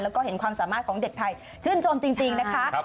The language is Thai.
แล้วก็เห็นความสามารถของเด็กไทยชื่นชมจริงนะคะ